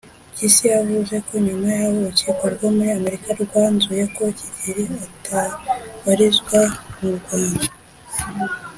Mpyisi yavuze ko nyuma y’aho urukiko rwo muri Amerika rwanzuye ko Kigeli atabarizwa mu Rwanda